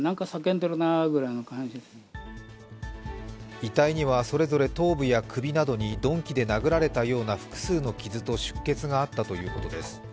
遺体にはそれぞれ頭部や首などに鈍器で殴られたような複数の傷と出血があったということです。